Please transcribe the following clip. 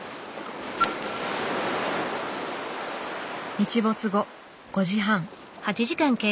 日没後５時半。